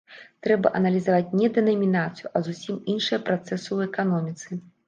Трэба аналізаваць не дэнамінацыю, а зусім іншыя працэсы ў эканоміцы.